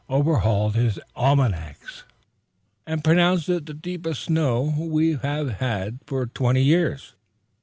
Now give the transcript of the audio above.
overhauled his almanacs, and pronounced it the deepest snow we had had for twenty years.